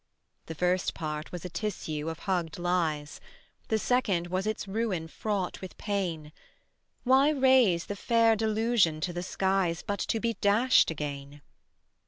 The first part was a tissue of hugged lies; The second was its ruin fraught with pain: Why raise the fair delusion to the skies But to be dashed again?